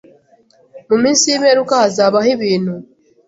Mu minsi y’imperuka hazabaho ibintu